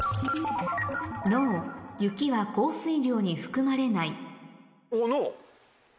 「雪は降水量に含まれない」